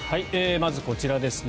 まず、こちらですね。